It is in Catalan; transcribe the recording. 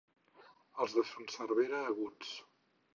Els de Son Cervera, aguts.